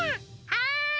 はい！